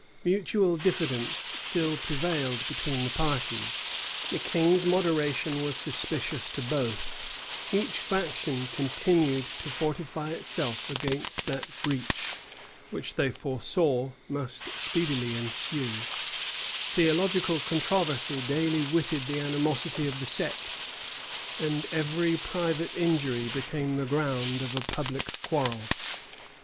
Mutual diffidence still prevailed between the parties; the king's moderation was suspicious to both; each faction continued to fortify itself against that breach, which, they foresaw, must speedily ensue; theological controversy daily whetted the animosity of the sects; and every private injury became the ground of a public quarrel.